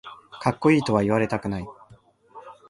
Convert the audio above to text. かっこいいとは言われたくない